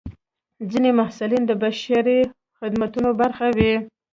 ځینې محصلین د بشري خدمتونو برخه وي.